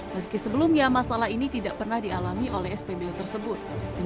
meski sebelumnya masalah ini tidak pernah dialami oleh spbu tersebut